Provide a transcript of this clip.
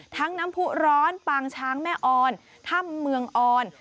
น้ำผู้ร้อนปางช้างแม่ออนถ้ำเมืองออน